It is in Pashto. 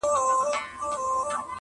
هر څوک خپله کيسه لري تل,